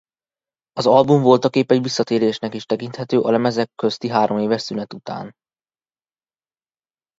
Az album voltaképp egy visszatérésnek is tekinthető a lemezek közti hároméves szünet után.